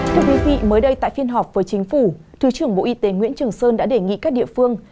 thưa quý vị mới đây tại phiên họp với chính phủ thứ trưởng bộ y tế nguyễn trường sơn đã đề nghị các địa phương